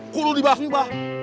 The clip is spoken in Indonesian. itu harus dibahagi bang